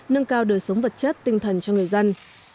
nâng cao đời sống vật chất tinh thần cho người dân